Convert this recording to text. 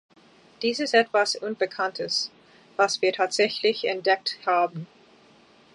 Dies ist etwas Unbekanntes, was wir tatsächlich entdeckt haben.